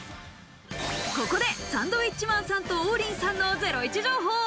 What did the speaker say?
ここでサンドウィッチマンさんと、王林さんのゼロイチ情報。